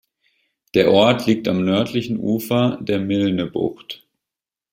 Der Ort liegt am nördlichen Ufer der Milne-Bucht.